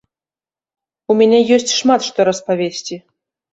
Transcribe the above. У мяне ёсць шмат што распавесці.